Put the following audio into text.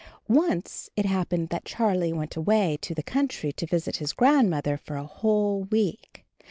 Once it happened that Charlie went away to the country to visit his grandmother for a whole week.